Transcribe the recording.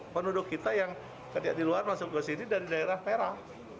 penduduk kita yang di luar masuk ke sini dari daerah perak